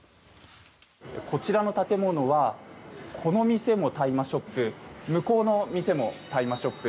こちらの建物はこの店も大麻ショップ向こうの店も大麻ショップ